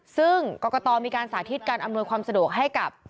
ซึ่งกรกตมีการสาธิตการอำนวยความสะดวกให้กับ